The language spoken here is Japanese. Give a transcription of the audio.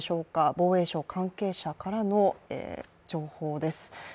防衛省関係者からの情報です。